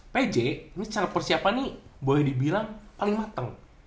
pj ini secara persiapan nih boleh dibilang paling mateng